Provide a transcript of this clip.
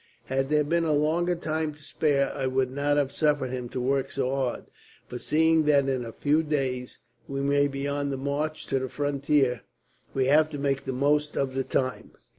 Had there been a longer time to spare, I would not have suffered him to work so hard; but seeing that in a few days we may be on the march to the frontier, we have to make the most of the time."